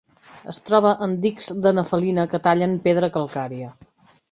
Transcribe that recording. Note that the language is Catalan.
Es troba en dics de nefelina que tallen pedra calcària.